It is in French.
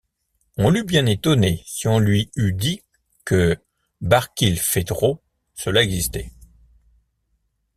On l’eût bien étonnée, si on lui eût dit que Barkilphedro, cela existait.